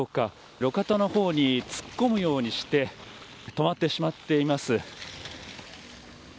路肩のほうに突っ込むようにして止まってしまっています。